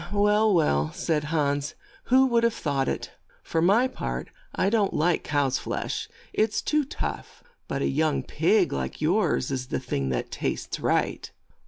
Well, well, '' said Hans, :' who would have thought it. For my part, I don't like cow's flesh ; it's too tough. But a young pig like yours is the thing that tastes right."